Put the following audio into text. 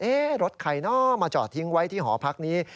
รถใครเนอะมาจอดทิ้งไว้ที่หอพักนี้